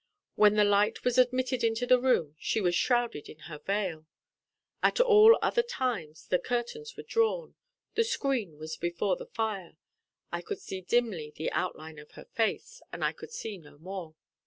When the light was admitted into the room she was shrouded in her veil. At all other times the curtains were drawn, the screen was before the fire I could see dimly the outline of her face, and I could see no more.